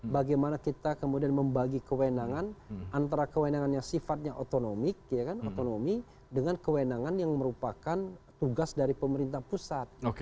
bagaimana kita kemudian membagi kewenangan antara kewenangan yang sifatnya otonomik otonomi dengan kewenangan yang merupakan tugas dari pemerintah pusat